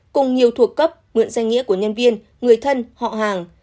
cùng nhiều thuộc cấp nguyện danh nghĩa của nhân viên người thân họ hàng